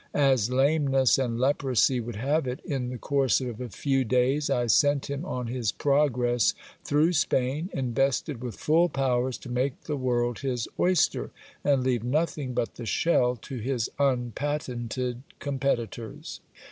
As lameness and leprosy would have it, in the course of a few days I sent him on his progress through Spain, invested with full powers to make the world his oyster, and leave nothing but the shell to his un patented competitors.